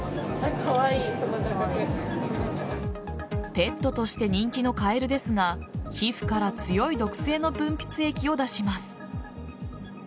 ペットとして人気のカエルですが皮膚から強い毒性の分泌液を出します。